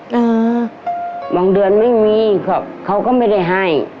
อ่าบางเดือนไม่มีเขาเขาก็ไม่ได้ให้